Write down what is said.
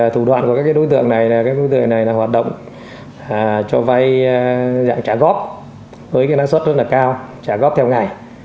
thủ đoạn của các đối tượng này là hoạt động cho vai trả góp với năng suất rất cao trả góp theo ngày